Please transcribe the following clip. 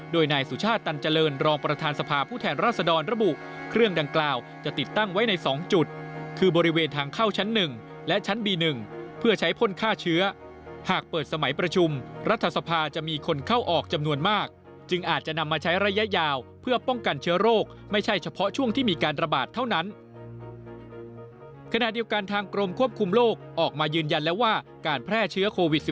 โดยนายสุชาติตันเจริญรองประธานสภาพผู้แทนราชดรระบุเครื่องดังกล่าวจะติดตั้งไว้ในสองจุดคือบริเวณทางเข้าชั้นหนึ่งและชั้นบีหนึ่งเพื่อใช้พลฆ่าเชื้อหากเปิดสมัยประชุมรัฐสภาจะมีคนเข้าออกจำนวนมากจึงอาจจะนำมาใช้ระยะยาวเพื่อป้องกันเชื้อโรคไม่ใช่เฉพาะช่วงที่มีการระบาดเ